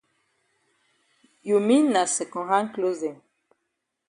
You mean na second hand closs dem.